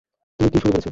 তুমি কি শুরু করেছ?